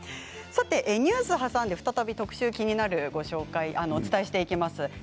ニュースを挟んで再び特集「キニナル」をお伝えしていきます。